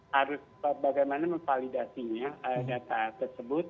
harus bagaimana memvalidasinya data tersebut